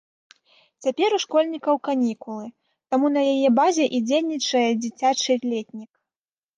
Цяпер у школьнікаў канікулы, таму на яе базе і дзейнічае дзіцячы летнік.